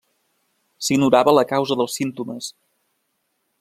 S'ignorava la causa dels símptomes.